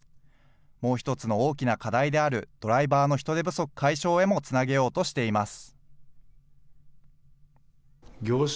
もう一つの大きな課題であるドライバーの人手不足解消へもつなげようとしています。